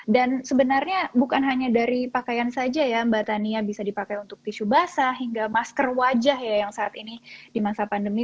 dan sebenarnya bukan hanya dari pakaian saja ya mbak tania bisa dipakai untuk tisu basah hingga masker wajah ya yang saat ini di masa pandemi